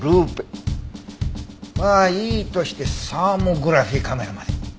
はいいとしてサーモグラフィカメラまで。